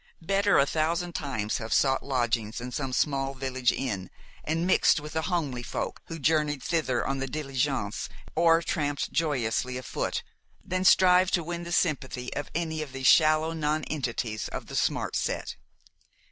Better a thousand times have sought lodgings in some small village inn, and mixed with the homely folk who journeyed thither on the diligence or tramped joyously afoot, than strive to win the sympathy of any of these shallow nonentities of the smart set.